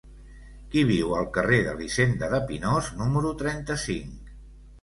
Qui viu al carrer d'Elisenda de Pinós número trenta-cinc?